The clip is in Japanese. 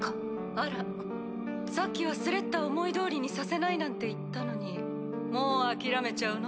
あらさっきはスレッタを思いどおりにさせないなんて言ったのにもう諦めちゃうの？